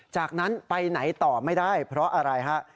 จากนั้นไปไหนต่อไม่ได้เพราะอะไรฮะ